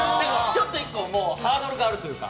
ちょっと１個ハードルがあるというか。